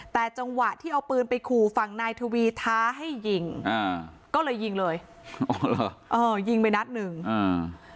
แต่จังหวะที่เอาปืนไปขู่ฝั่งนายทวีท้าให้ยิงอ่าก็เลยยิงเลยอ๋อเหรอเออยิงไปนัดหนึ่งอ่า